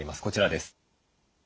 こちらです。